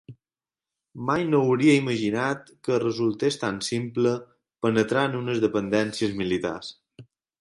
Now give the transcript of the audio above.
Mai no hauria imaginat que resultés tan simple penetrar en unes dependències militars.